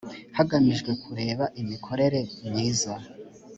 hagamijwe kureba imikorere myiza